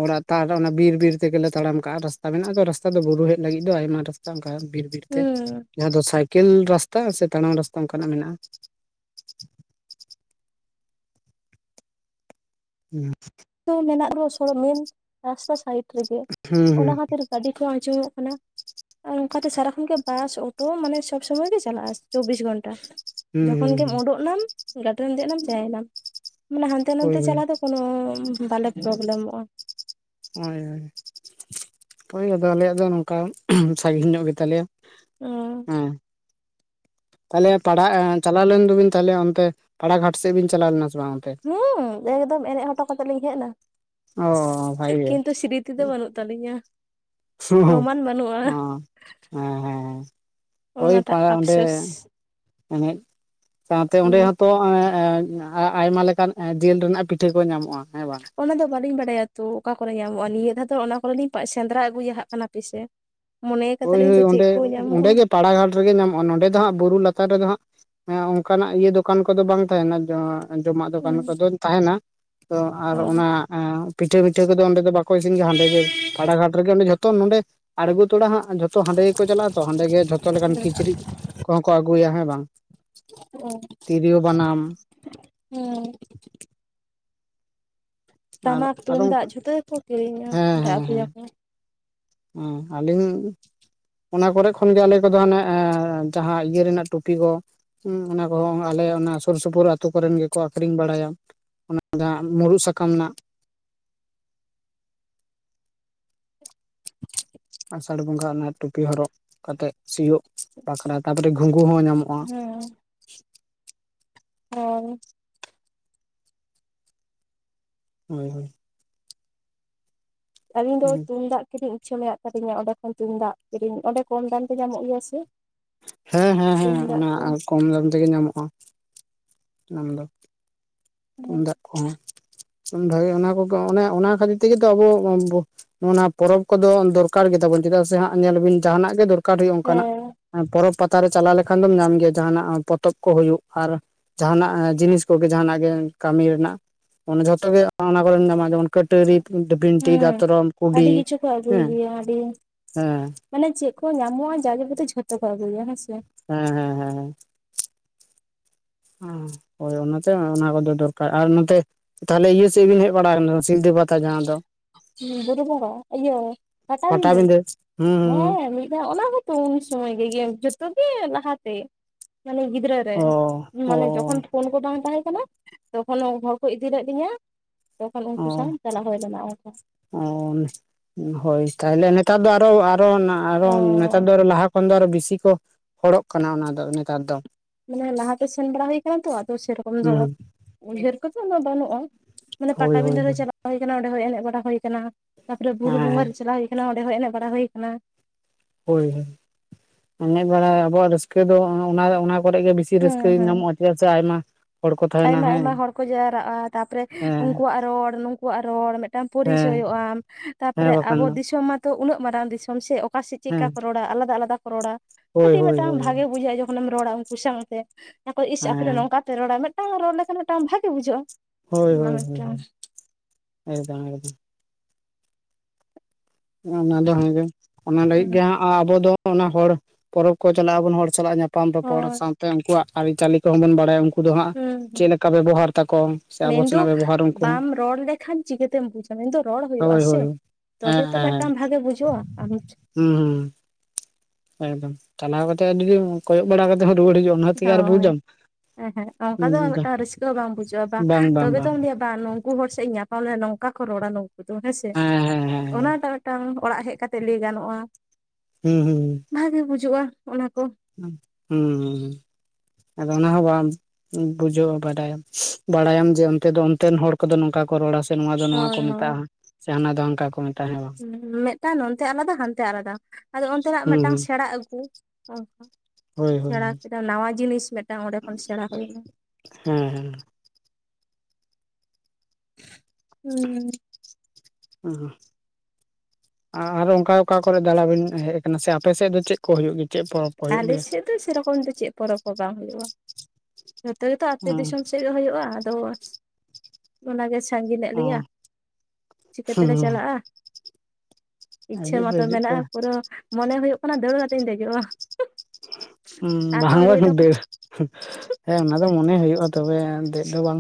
ᱚᱲᱟᱜ ᱛᱟᱲ ᱚᱱᱟ ᱵᱤᱨ ᱵᱤᱨ ᱛᱮᱜᱮᱞᱮ ᱛᱟᱲᱟᱢ ᱠᱟᱜᱼᱟ ᱨᱟᱥᱛᱟ ᱢᱮᱱᱟᱜᱼᱟ ᱟ ᱨᱟᱥᱛᱟ ᱫᱚ ᱵᱩᱨᱩ ᱦᱮᱡ ᱞᱟᱹᱜᱤᱫ ᱫᱚ ᱟᱭᱢᱟ ᱨᱟᱥᱛᱟ᱾ ᱚᱱᱠᱟ ᱵᱤᱨ ᱵᱤᱨ ᱛᱮ ᱦᱩᱸ ᱡᱟᱦᱟᱸ ᱫᱚ ᱥᱟᱭᱠᱮᱞ ᱨᱟᱥᱛᱟ ᱥᱮ ᱛᱟᱲᱟᱝ ᱨᱟᱥᱛᱟ ᱚᱱᱠᱟᱱᱟᱜ ᱢᱮᱱᱟᱜᱼᱟ᱾ ᱦᱩᱸ ᱛᱚ ᱢᱮᱱᱟᱜ ᱨᱮᱦ ᱥᱚᱲ ᱢᱮᱱ ᱨᱟᱥᱛᱟ ᱥᱟᱭᱤᱰ ᱨᱮᱜᱮ ᱚᱱᱟ ᱦᱩᱸ ᱠᱷᱟᱹᱛᱤᱨ ᱜᱟᱹᱰᱤ ᱠᱚᱦ ᱟᱸᱡᱚᱢᱚᱜ ᱠᱟᱱᱟ᱾ ᱟᱨ ᱚᱱᱠᱟᱛᱮ ᱥᱟᱨᱟᱠᱷᱚᱱᱜᱮ ᱵᱟᱥ ᱚᱴᱳ ᱢᱟᱱᱮ ᱥᱚᱵᱽ ᱥᱚᱢᱚᱭ ᱜᱮ ᱪᱟᱞᱟᱜᱼᱟ ᱪᱚᱵᱽᱵᱤᱥ ᱜᱷᱚᱱᱴᱟ᱾ ᱦᱩᱸ ᱡᱚᱠᱷᱚᱱ ᱦᱩᱸ ᱜᱮᱢ ᱩᱰᱩᱠ ᱱᱟᱢ ᱜᱟᱹᱰᱤ ᱨᱮᱢ ᱫᱮᱡ ᱮᱱᱟᱢ ᱪᱟᱭᱱᱟᱢ ᱢᱟᱱᱮ ᱦᱟᱱᱛᱮ ᱦᱳᱭ ᱱᱟᱛᱮ ᱦᱳᱭ ᱪᱟᱞᱟ ᱫᱚ ᱠᱳᱚᱱᱳ ᱵᱟᱞᱮ ᱯᱨᱚᱵᱞᱮᱢᱚᱜᱼᱟ᱾ ᱦᱳᱭ ᱦᱳᱭ, ᱦᱳᱭ ᱟᱫᱚ ᱟᱞᱮᱭᱟᱜ ᱫᱚ ᱱᱚᱝᱠᱟ ᱥᱟᱺᱜᱤᱧ ᱧᱚᱜ ᱜᱮᱛᱟᱞᱮᱭᱟ᱾ ᱦᱩᱸ ᱦᱮᱸ ᱛᱟᱦᱚᱞᱮ ᱯᱟᱲᱟ ᱪᱟᱞᱟᱣ ᱞᱮᱱ ᱫᱚᱵᱤᱱ ᱛᱟᱦᱚᱞᱮ ᱚᱱᱛᱮ ᱯᱟᱲᱟᱜᱷᱟᱴ ᱥᱮᱫ ᱵᱤᱱ ᱪᱟᱞᱟᱣ ᱞᱮᱱᱟ ᱥᱮ ᱵᱟᱝ? ᱚᱱᱛᱮ ᱦᱩᱸ ᱮᱠᱫᱚᱢ ᱮᱱᱮᱡ ᱦᱚᱴᱚ ᱠᱟᱛᱮᱜ ᱞᱤᱧ ᱦᱮᱡ ᱮᱱᱟ ᱚ ᱵᱷᱟᱜᱮ ᱜᱮ ᱠᱤᱱᱛᱩ ᱥᱨᱤ ᱛᱤ ᱫᱚ ᱵᱟᱹᱱᱩᱜ ᱛᱟᱹᱟᱞᱤᱧᱟ᱾ ᱦᱮᱸ ᱦᱮᱸᱮᱸ ᱚᱱᱟᱴᱟᱜ ᱦᱳᱭᱯᱟᱸᱲᱮ ᱚᱸᱰᱮ ᱟᱯᱥᱳᱥ ᱮᱱᱮᱡ ᱥᱟᱶᱛᱮ ᱚᱸᱰᱮ ᱦᱩᱸ ᱦᱚᱸᱛᱚ ᱟᱭᱢᱟ ᱞᱮᱠᱟᱱ ᱡᱤᱞ ᱨᱮᱱᱟᱜ ᱯᱤᱴᱷᱟᱹ ᱠᱚ ᱧᱟᱢᱚᱜᱼᱟ ᱦᱮᱸ ᱵᱟᱝ᱾ ᱚᱱᱟᱫᱚ ᱵᱟᱹᱞᱤᱧ ᱵᱟᱰᱟᱭᱟ ᱛᱚ ᱚᱠᱟ ᱠᱚᱨᱮ ᱧᱟᱢᱚᱜᱼᱟ ᱱᱤᱭᱟᱹ ᱫᱷᱟᱣ ᱫᱚ ᱚᱱᱟ ᱠᱚᱨᱮ ᱞᱤᱧ ᱥᱮᱸᱫᱽᱨᱟ ᱟᱹᱜᱩᱭᱟᱦᱟᱜ ᱠᱟᱱᱟ ᱯᱮᱥᱮ ᱢᱚᱱᱮ ᱠᱟᱫᱟᱞᱤᱧ ᱫᱚ ᱪᱮᱫ ᱠᱚ ᱧᱟᱢᱚᱜᱼᱟ᱾ ᱯᱟᱲᱟ ᱜᱷᱟᱴ ᱨᱮᱜᱮ ᱧᱟᱢᱚᱜᱼᱟ ᱱᱚᱸᱰᱮ ᱫᱚ ᱦᱟᱸᱜ ᱵᱩᱨᱩ ᱞᱟᱛᱟᱨ ᱨᱮᱫᱚ ᱦᱟᱸᱜ ᱦᱮᱸ ᱚᱱᱠᱟᱱᱟᱜ ᱤᱭᱟᱹ ᱫᱚᱠᱟᱱ ᱠᱚᱫᱚ ᱵᱟᱝ ᱛᱟᱦᱮᱱᱟ ᱡᱟᱦᱟᱸ ᱡᱚᱢᱟᱜ ᱦᱮᱸ ᱫᱚᱠᱟᱱ ᱠᱚᱫᱚᱧ ᱛᱟᱦᱮᱱᱟ ᱛᱚ ᱟᱨ ᱚᱱᱟ ᱯᱤᱴᱷᱟᱹ ᱯᱤᱴᱷᱟᱹ ᱠᱚᱫᱚ ᱚᱸᱰᱮ ᱫᱚ ᱵᱟᱠᱚ ᱤᱥᱤᱱ ᱜᱮᱭᱟ ᱦᱟᱸᱰᱮ ᱜᱮ ᱯᱟᱟᱲᱲᱟ ᱜᱷᱟᱴ ᱨᱮᱜᱮ ᱚᱸᱰᱮ ᱡᱷᱚᱛᱚ ᱱᱚᱸᱰᱮ ᱟᱬᱜᱩ ᱛᱚᱲᱟ ᱦᱟᱸᱜ ᱛᱚ ᱦᱟᱸᱰᱮ ᱜᱮᱠᱚ ᱪᱟᱞᱟᱜᱼᱟ ᱛᱚ ᱚᱸᱰᱮ ᱜᱮ ᱡᱷᱚᱛᱚ ᱞᱮᱠᱟᱱ ᱠᱤᱪᱨᱤᱤᱡ ᱠᱚᱦᱚᱸ ᱠᱚ ᱟᱹᱜᱩᱭᱟ ᱦᱮᱸ ᱵᱟᱝ᱾ ᱛᱤᱨᱭᱳ ᱵᱟᱱᱟᱢ ᱦᱸ ᱦᱮᱸ ᱟᱨ ᱴᱟᱢᱟᱠ ᱟᱨᱚ ᱛᱩᱢᱫᱟᱜ ᱚᱱᱠᱟ ᱡᱷᱩᱫᱟᱹ ᱜᱮᱠᱚ ᱠᱤᱨᱤᱧᱟ ᱦᱮᱸ ᱱᱚᱰᱮ ᱦᱮᱸ ᱦᱮᱸ ᱟᱹᱜᱩᱭᱟ ᱠᱚ᱾ ᱦᱮᱸ ᱟᱹᱞᱤᱧ ᱚᱱᱟ ᱠᱚᱨᱮ ᱠᱷᱚᱱ ᱜᱮ ᱟᱞᱮ ᱠᱚᱫᱚ ᱦᱟᱱᱮ ᱡᱟᱦᱟᱸ ᱤᱭᱟᱹ ᱨᱮᱱᱟᱜ ᱴᱩᱯᱤ ᱠᱚ ᱦᱮᱸ ᱚᱱᱟ ᱠᱚᱦᱚᱸ ᱟᱞᱮ ᱚᱱᱟ ᱥᱩᱨ ᱥᱩᱯᱩᱨ ᱟ ᱟᱹᱛᱩ ᱠᱚᱨᱮᱱ ᱜᱮᱠᱚ ᱟᱠᱷᱨᱤᱧ ᱵᱟᱲᱟᱭᱟ ᱚᱱᱟ ᱡᱟᱦᱟᱸ ᱢᱩᱨᱩᱫ ᱥᱟᱠᱟᱢ ᱨᱮᱱᱟᱜ ᱟᱥᱟᱲ ᱵᱚᱸᱜᱟ ᱚᱱᱟ ᱴᱩᱯᱤ ᱦᱚᱨᱚᱜ ᱠᱟᱛᱮᱜ ᱥᱤᱭᱳᱜ ᱵᱟᱠᱷᱨᱟ ᱛᱟᱯᱚᱨᱮ ᱜᱩᱸᱜᱩ ᱦᱚᱸ ᱧᱟᱢᱚᱜ-ᱟ ᱦᱮᱸ ᱦᱮᱸ ᱦᱳᱭ ᱦᱳᱭ ᱟᱞᱤᱧ ᱫᱚ ᱛᱩᱢᱫᱟᱜ ᱠᱤᱨᱤᱧ ᱤᱪᱪᱷᱟᱹ ᱢᱮᱱᱟᱜ ᱛᱟᱞᱤᱧᱟ ᱚᱸᱰᱮ ᱠᱷᱚᱱ ᱛᱩᱢᱫᱟᱜ ᱠᱤᱨᱤᱧ ᱚᱸᱰᱮ ᱠᱚᱢ ᱫᱟᱢ ᱛᱮ ᱧᱟᱢᱚᱜ ᱜᱮᱭᱟ ᱥᱮ ᱦᱮᱸ ᱦᱮᱸ ᱦᱮᱸ ᱛᱩᱢᱫᱟᱜ ᱚᱱᱟ ᱠᱚ ᱠᱚᱢ ᱫᱟᱢ ᱛᱮᱜᱮ ᱧᱟᱢᱚᱜ-ᱟ ᱚᱱᱟ ᱫᱚ ᱦᱮᱸ ᱛᱩᱢᱫᱟᱜ ᱠᱚᱦᱚᱸ ᱛᱩᱢᱟᱜᱮ ᱚᱱᱟ ᱠᱚ ᱚᱱᱮ ᱚᱱᱟ ᱠᱷᱟᱹᱛᱤᱨ ᱛᱮᱜᱮ ᱛᱚ ᱟᱵᱚ ᱱᱚᱜ ᱱᱚᱣᱟ ᱯᱚᱨᱚᱵᱽ ᱠᱚᱫᱚ ᱫᱚᱨᱠᱟᱨ ᱜᱮᱛᱟᱵᱚᱱ ᱪᱮᱫᱟᱜ ᱥᱮ ᱦᱟᱸᱜ ᱧᱮᱞ ᱵᱤᱱ ᱡᱟᱦᱟᱱᱟᱜ ᱜᱮ ᱫᱚᱨᱠᱟᱨ ᱦᱩᱭᱩᱜ ᱚᱱᱠᱟᱱᱟᱜ ᱯᱚᱨᱚᱵᱽ ᱯᱟᱛᱮ ᱪᱟᱞᱟᱣ ᱞᱮᱠᱷᱟᱱ ᱫᱚᱢ ᱧᱟᱢ ᱜᱮᱭᱟ ᱡᱟᱦᱟᱱᱟᱜ ᱯᱚᱛᱚᱵ ᱠᱚ ᱦᱩᱭᱩᱜ ᱟᱨ ᱡᱟᱦᱟᱱᱟᱜ ᱡᱤᱱᱤᱥ ᱠᱚᱜᱮ ᱡᱟᱦᱱᱟᱜ ᱜᱮ ᱠᱟᱹᱢᱤ ᱨᱮᱱᱟᱜ ᱚᱱᱮ ᱡᱷᱚᱛᱚ ᱜᱮ ᱚᱱᱟ ᱠᱚᱨᱮ ᱧᱟᱢᱟ ᱡᱮᱢᱚᱱ ᱠᱟᱹᱴᱟᱹᱨᱤ ᱾ ᱵᱷᱤᱱᱴᱤ ᱦᱮᱸ ᱫᱟᱛᱨᱚᱢ ᱠᱩᱰᱤ ᱟᱹᱰᱤ ᱠᱤᱪᱷᱩ ᱠᱚ ᱟᱹᱜᱩᱭ ᱦᱮᱸ ᱜᱮᱭᱟ ᱟᱹᱰᱤ ᱦᱮᱸ ᱢᱟᱱᱮ ᱪᱮᱫ ᱠᱚ ᱧᱟᱢᱚᱜ-ᱟ ᱡᱟᱜᱮ ᱵᱚᱛᱤ ᱡᱷᱚᱛᱚ ᱠᱚ ᱟᱹᱜᱩᱭᱟ ᱦᱮᱸᱥᱮ ᱦᱮᱸ ᱦᱮᱸᱦᱮᱸ ᱦᱳᱭ ᱚᱱᱟᱛᱮ ᱚᱱᱟ ᱠᱚᱫᱚ ᱫᱚᱨᱠᱟᱨ ᱟᱨ ᱱᱚᱛ ᱛᱟᱦᱚᱞᱮ ᱤᱭᱟᱹ ᱥᱮᱫ ᱵᱮᱱ ᱦᱮᱡ ᱵᱟᱲᱟ ᱟᱠᱟᱱᱟ ᱥᱤᱞᱫᱟᱹ ᱯᱟᱛᱟ ᱡᱟᱦᱟᱸ ᱫᱚ ᱵᱩᱨᱩ ᱵᱚᱸᱵᱟ ᱤᱭᱟᱹ ᱯᱟᱴᱟᱵᱤᱸᱫᱟᱹ ᱦᱮᱸ ᱢᱤᱫ ᱫᱷᱟᱣ ᱚᱱᱟ ᱛᱚ ᱩᱱ ᱥᱚᱢᱚᱭ ᱜᱮ ᱡᱚᱛᱷᱚ ᱜᱮ ᱞᱟᱦᱟ ᱛᱮ ᱢᱟᱱᱮ ᱜᱤᱫᱽᱨᱟᱹ ᱦᱩᱸ ᱚ ᱢᱟᱱᱮ ᱚ ᱡᱚᱠᱷᱚᱱ ᱯᱷᱳᱱ ᱠᱚ ᱵᱟᱝ ᱛᱟᱦᱮᱸ ᱠᱟᱱᱟ ᱛᱚᱠᱷᱚᱱ ᱦᱚᱲ ᱠᱚ ᱤᱫᱤ ᱞᱮᱫ ᱞᱤᱧᱟᱹ ᱛᱚᱠᱷᱚᱱ ᱩᱱᱠᱩ ᱥᱟᱶ ᱚ ᱪᱟᱞᱟᱣ ᱦᱩᱭ ᱞᱮᱱᱟ ᱚᱱᱠᱟ ᱚ ᱦᱳᱭ ᱛᱟᱦᱞᱮ ᱱᱮᱛᱟᱨ ᱫᱚ ᱟᱨᱦᱚ ᱟᱨᱦᱚ ᱟᱨᱦᱚ ᱱᱮᱛᱟᱨ ᱫᱚ ᱞᱟᱦᱟ ᱛᱚᱠᱷᱚᱱ ᱫᱚ ᱟᱨᱚ ᱵᱮᱥᱤ ᱠᱚ ᱦᱚᱲᱚᱜ ᱠᱟᱱᱟ ᱚᱱᱟ ᱫᱚ ᱱᱮᱛᱟᱨ ᱫᱚ ᱢᱟᱱᱮ ᱞᱟᱦᱟᱛᱮ ᱥᱮᱱ ᱵᱟᱲᱟ ᱦᱳᱭ ᱟᱠᱟᱱᱟ ᱛᱚ ᱟᱫᱚ ᱥᱮᱨᱚᱠᱚᱢ ᱫᱚ ᱦᱩᱸ ᱩᱭᱦᱟᱹᱨ ᱠᱚᱫᱚ ᱩᱱᱟᱹᱜ ᱵᱟᱹᱱᱩᱜᱼᱟ ᱾ ᱢᱟᱱᱮ ᱦᱳᱭ ᱦᱳᱭ ᱯᱟᱴᱟᱵᱤᱫᱟᱹ ᱨᱮ ᱪᱟᱞᱟᱣ ᱦᱳᱭ ᱠᱟᱱᱟ ᱚᱸᱰᱮ ᱦᱚᱸ ᱮᱱᱮᱡ ᱵᱟᱲᱟ ᱦᱳᱭ ᱠᱟᱱᱟ ᱾ ᱛᱟᱯᱚᱨᱮ ᱵᱩᱨᱩ ᱵᱚᱸᱜᱟ ᱦᱮᱸ ᱨᱮ ᱪᱟᱞᱟᱣ ᱦᱳᱭ ᱟᱠᱟᱱᱟ ᱚᱸᱰᱮ ᱦᱚᱸ ᱮᱱᱮᱡ ᱵᱟᱲᱟ ᱦᱳᱭ ᱟᱠᱟᱱᱟ ᱾ ᱦᱳᱭ ᱦᱳᱭ ᱮᱱᱮᱡ ᱵᱟᱲᱟᱭ ᱟᱵᱚᱣᱟᱜ ᱨᱟᱹᱥᱠᱟᱹ ᱫᱚ ᱚᱱᱟ ᱠᱚᱨᱮ ᱜᱮ ᱵᱤᱥᱤ ᱦᱮᱸ ᱨᱟᱹᱥᱠᱟᱹ ᱦᱮᱸ ᱧᱟᱢᱚᱜᱼᱟ ᱾ ᱴᱷᱤᱠ ᱟᱪᱷᱮ ᱟᱭᱢᱟ ᱾ ᱟᱭᱢᱟ ᱟᱭᱢᱟ ᱦᱚᱲ ᱠᱚ ᱡᱟᱣᱨᱟᱜᱼᱟ, ᱛᱟᱨᱯᱚᱨᱮ ᱦᱮᱸ ᱩᱱᱠᱩᱣᱟᱜ ᱨᱚᱲ ᱱᱩᱠᱩᱣᱟᱜ ᱨᱚᱲ ᱢᱤᱫᱴᱟᱱ ᱦᱮᱸ ᱯᱚᱨᱤᱪᱚᱭᱚᱜᱼᱟᱢ ᱦᱮᱸ ᱛᱟᱯᱚᱨᱮ ᱵᱟᱠᱷᱟᱱ ᱟᱵᱚ ᱫᱚ ᱫᱤᱥᱚᱢ ᱢᱟ ᱛᱚ ᱩᱱᱟᱹᱜ ᱢᱟᱨᱟᱝ ᱫᱤᱥᱚᱢ ᱥᱮ ᱚᱠᱟ ᱥᱮᱫ ᱪᱮᱜᱼᱠᱟ ᱦᱮᱸ ᱠᱚ ᱨᱚᱲᱟ ᱟᱞᱟᱫᱟ ᱟᱞᱟᱫᱟ ᱠᱚ ᱨᱚᱲᱟ ᱦᱳᱭ ᱠᱟᱹᱴᱤᱡ ᱦᱳᱭ ᱢᱤᱫᱴᱟᱝ ᱦᱳᱭ ᱵᱷᱟᱜᱮ ᱵᱩᱡᱷᱽ ᱟ, ᱡᱚᱠᱷᱚᱱ ᱮᱢ ᱨᱚᱲᱟ ᱩᱱᱠᱩ ᱥᱟᱶᱛᱮ ᱟᱠ ᱤᱥ ᱟᱯᱮ ᱦᱮᱸ ᱱᱚᱝᱠᱟ ᱯᱮ ᱨᱚᱲᱟ ᱾ ᱦᱮᱸ ᱨᱚᱲ ᱞᱮᱠᱷᱟᱱ ᱢᱤᱫᱴᱟᱝ ᱵᱷᱟᱜᱮ ᱵᱩᱡᱷᱟᱹᱜᱼᱟ ᱾ ᱦᱳᱭ ᱦᱳᱭ ᱦᱳᱭ ᱮᱠᱫᱚᱢ ᱮᱠᱫᱚᱢ ᱚᱱᱟ ᱫᱚ ᱦᱮᱸᱜᱮ ᱚᱱᱟ ᱞᱟᱹᱜᱤᱫ ᱜᱮ ᱦᱩᱸ ᱟᱵᱚ ᱫᱚ ᱚᱱᱟ ᱦᱚᱲ ᱯᱚᱨᱚᱵᱽ ᱠᱚ ᱪᱟᱞᱟᱜ ᱟᱵᱚᱱ ᱦᱚᱲ ᱥᱟᱞᱟᱜ ᱧᱟ ᱯᱟᱢ ᱨᱚᱯᱚᱲ ᱦᱳᱭ ᱥᱟᱶᱛᱮ ᱩᱱᱠᱩᱣᱟᱜ ᱟᱹᱨᱤᱪᱟᱹᱞᱤ ᱠᱚᱦᱚᱸ ᱵᱚᱱ ᱵᱟᱲᱟᱭᱟ ᱾ ᱩᱱᱠᱩ ᱫᱚ ᱦᱟᱸᱜ ᱦᱩᱸ ᱦᱩᱸ ᱪᱮᱫ ᱞᱮᱠᱟ ᱵᱮᱵᱚᱦᱟᱨ ᱛᱟᱠᱚᱣᱟ ᱥᱮ ᱟᱵᱚ ᱢᱮᱱᱫᱚ ᱥᱮᱱᱟᱜ ᱵᱮᱵᱚᱦᱟᱨ ᱩᱱᱠᱩ ᱦᱚᱸ ᱵᱟᱢ ᱨᱚᱲ ᱫᱚ ᱨᱚᱲ ᱦᱩᱭᱩᱜᱼᱟ ᱦᱳᱭ ᱥᱮ ᱦᱳᱭ ᱦᱮᱸ ᱛᱚᱵᱮ ᱦᱮᱸ ᱛᱚ ᱦᱮᱸ ᱢᱤᱫᱴᱟᱝ ᱵᱷᱟᱜᱮ ᱵᱩᱡᱷᱩᱜᱼᱟ [unintelligible] ᱦᱩᱸ ᱦᱩᱸ ᱾ ᱮᱠᱫᱚᱢ ᱪᱟᱞᱟᱣ ᱠᱟᱛᱮᱜ ᱡᱩᱫᱤᱢ ᱠᱚᱭᱚᱜ ᱵᱟᱲᱟ ᱠᱟᱛᱮ ᱦᱚᱸ ᱨᱩᱣᱟᱹᱲ ᱦᱤᱡᱩᱜ ᱟᱢ ᱚᱱᱟ ᱛᱮᱜᱮ ᱟᱨᱠᱤ ᱵᱩᱡᱽ ᱟᱢ ᱮᱸ ᱦᱮᱸᱜ ᱚᱱᱠᱟ ᱫᱚ ᱢᱤᱫᱴᱟᱝ ᱨᱟᱹᱥᱠᱟᱹ ᱦᱚᱸ ᱵᱟᱝ ᱵᱩᱡᱷᱟᱹᱜᱼᱟ ᱵᱟᱝ ᱛᱚᱵᱮ ᱛᱚ ᱞᱟᱹᱭᱟ ᱱᱩᱠᱩ ᱦᱚᱲ ᱥᱮᱫ ᱤᱧ ᱧᱟᱯᱟᱢ ᱞᱮᱱᱟ ᱱᱚᱝᱠᱟ ᱠᱚ ᱨᱚᱲᱟ ᱱᱚᱝ ᱦᱮᱸᱥᱮ ᱦᱮᱸ ᱦᱮᱸ ᱚᱱᱟᱴᱟᱜ ᱢᱤᱫᱴᱟᱱ ᱚᱲᱟᱜ ᱦᱮᱡ ᱠᱟᱛᱮᱫ ᱞᱟᱹᱭ ᱜᱟᱱᱚᱜᱼᱟ ᱾ ᱦᱩᱸ ᱦᱩᱸ ᱾ ᱵᱷᱟᱜᱮ ᱵᱩᱡᱩᱜᱼᱟ ᱾ ᱚᱱᱟ ᱠᱚ ᱦᱩᱸ ᱦᱩᱸ ᱟᱫᱚ ᱚᱱᱟ ᱦᱚᱸ ᱵᱟᱢ ᱵᱩᱡᱷᱟᱹᱜᱼᱟ ᱵᱟᱰᱟᱭᱟᱢ ᱵᱟᱲᱟᱭᱟᱢ ᱡᱮ ᱚᱱᱛᱮ ᱫᱚ ᱚᱱᱛᱮᱱ ᱦᱚᱲ ᱠᱚᱫᱚ ᱱᱚᱝᱠᱟ ᱠᱚ ᱨᱚᱲᱟ ᱥᱮ ᱱᱚᱣᱟ ᱫᱚ ᱱᱚᱣᱟ ᱦᱳᱭ ᱠᱚ ᱦᱳᱭ ᱢᱮᱛᱟᱜᱼᱟ ᱥᱮ ᱦᱟᱱᱟ ᱫᱚ ᱦᱟᱝᱠᱟ ᱠᱚ ᱢᱮᱛᱟᱜᱼᱟ, ᱦᱮᱸ ᱵᱟᱝ ᱢᱤᱫᱴᱟᱝ ᱱᱚᱱᱛᱮ ᱟᱞᱟᱫᱟ ᱦᱟᱱᱛᱮ ᱟᱞᱟᱫᱟ ᱟᱫᱚ ᱚᱱᱛᱮᱱᱟᱜ ᱦᱮᱸ ᱵᱟᱝ ᱦᱩᱸ ᱢᱤᱫᱴᱟᱝ ᱦᱩᱸ ᱥᱮᱬᱟ ᱟᱹᱜᱩ ᱚᱱᱠᱟ ᱥᱮᱬᱟ ᱠᱮᱫᱟᱢ ᱱᱟᱣᱟ ᱡᱤᱱᱤᱥ ᱢᱤᱫᱴᱟᱝ ᱚᱸᱰᱮ ᱠᱷᱚᱱ ᱥᱮᱬᱟ ᱦᱩᱭᱱᱟ ᱦᱮᱸ ᱦᱮᱸ ᱾ [inaudible] ᱦᱩᱸ [unintelligible] ᱟᱨᱚ ᱚᱱᱠᱟ ᱚᱠᱟ ᱠᱚᱨᱮ ᱫᱟᱬᱟ ᱵᱤᱱ ᱦᱮᱡ ᱟᱠᱟᱱᱟ ᱥᱮ ᱟᱯᱮ ᱥᱮᱫ ᱫᱚ ᱪᱮᱫ ᱠᱚ ᱦᱩᱭᱩᱜ ᱜᱮ ᱪᱮᱫ ᱯᱨᱚᱵ? ᱟᱞᱮ ᱥᱮᱫ ᱫᱚ ᱥᱮᱨᱚᱠᱚᱢ ᱫᱚ ᱪᱮᱫ ᱯᱚᱨᱚᱵᱽ ᱠᱚ ᱵᱟᱝ ᱦᱳᱭᱳᱜᱼᱟ ᱾ ᱡᱚᱛᱚ ᱜᱮᱛᱚ ᱟᱯᱮ ᱫᱤᱥᱚᱢ ᱥᱮᱫ ᱜᱮ ᱦᱳᱭᱳᱜᱼᱟ, ᱟᱫᱚ ᱚᱱᱟᱜᱮ ᱥᱟᱺᱜᱤᱧ ᱮᱫ ᱞᱮᱭᱟ, ᱚ ᱪᱤᱠᱟᱹ ᱛᱮᱞᱮ ᱦᱩᱸ ᱪᱟᱞᱟᱜᱼᱟ? ᱤᱪᱪᱷᱟᱹ ᱦᱤᱡᱩᱜ ᱯᱮ ᱢᱟᱛᱚ ᱦᱤᱡᱩᱜ ᱯᱮ ᱢᱮᱱᱟᱜᱼᱟ ᱯᱩᱨᱟᱹ ᱢᱚᱱᱮ ᱦᱳᱭᱳᱜ ᱠᱟᱱᱟ ᱫᱟᱹᱲ ᱠᱟᱛᱮᱧ ᱫᱮᱡᱚᱜᱼᱟ ᱾ [unintelligible] ᱫᱚ ᱦᱮᱸ ᱚᱱᱟ ᱫᱚ ᱢᱚᱱᱮ ᱦᱳᱭᱳᱜᱼᱟ ᱾ ᱛᱚᱵᱮ ᱫᱮᱡ ᱫᱚ ᱵᱟᱝ